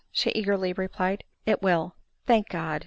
she eagerly replied. " It will." " Thank God